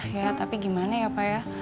ya tapi gimana ya pak ya